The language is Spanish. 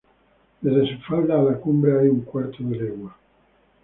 Desde su falda a la cumbre hay un cuarto de legua.